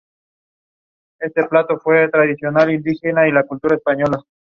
La castidad no tenía para ellos el mismo valor que para los católicos.